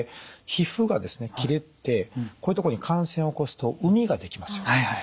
皮膚がですね切れてこういうとこに感染を起こすとうみが出来ますよね？